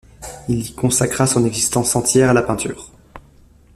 Il y consacra son existence entière à la peinture.